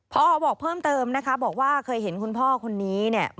พอบอกเพิ่มเติมนะคะบอกว่าเคยเห็นคุณพ่อคนนี้เนี่ย